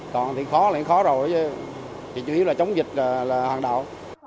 còn thì khó thì khó rồi chủ yếu là chống dịch là hàng đạo